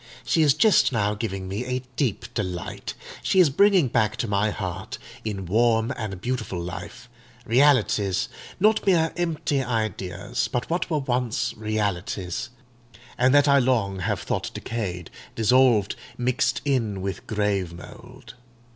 She is just now giving me a deep delight: she is bringing back to my heart, in warm and beautiful life, realities—not mere empty ideas, but what were once realities, and that I long have thought decayed, dissolved, mixed in with grave mould.